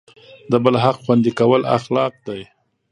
د بل حق خوندي کول اخلاق دی.